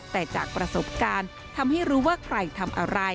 แต่จากประสบการณ์ทำให้รู้ว่าใครทำอะไร